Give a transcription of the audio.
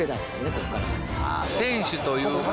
ここから。